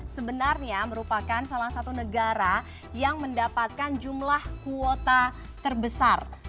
sebenarnya merupakan salah satu negara yang mendapatkan jumlah kuota terbesar